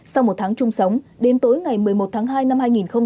sau một tháng chung sống đến tối ngày một mươi một tháng hai năm hai nghìn hai mươi